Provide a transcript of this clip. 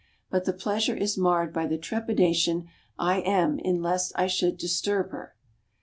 But the pleasure is marred by the trepidation I am in lest I should disturb her.